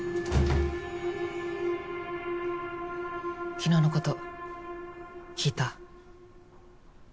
昨日のこと聞いた。